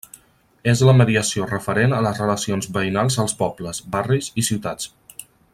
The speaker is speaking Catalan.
És la mediació referent a les relacions veïnals als pobles, barris i ciutats.